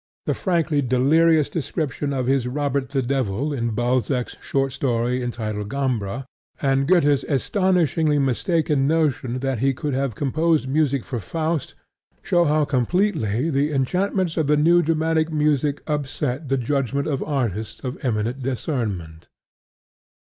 The frankly delirious description of his Robert the Devil in Balzac's short story entitled Gambra, and Goethe's astonishingly mistaken notion that he could have composed music for Faust, show how completely the enchantments of the new dramatic music upset the judgment of artists of eminent discernment.